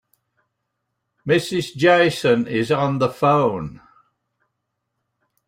Mrs. Jason is on the phone.